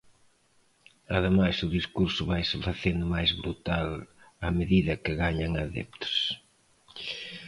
Ademais o discurso vaise facendo máis brutal a medida que gañan adeptos.